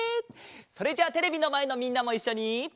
それじゃあテレビのまえのみんなもいっしょに。